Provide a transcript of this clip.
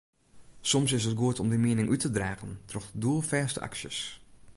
Soms is it goed om dyn miening út te dragen troch doelfêste aksjes.